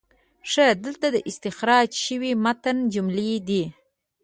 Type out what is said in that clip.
ښه، دلته د استخراج شوي متن جملې دي: